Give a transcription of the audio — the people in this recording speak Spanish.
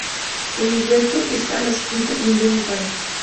El libreto estaba escrito por John Gay.